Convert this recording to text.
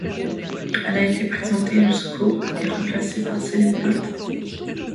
Elle a été présentée jusqu'au et remplacée par Celebrate!